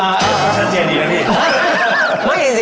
ชันเจียดีแล้วดิ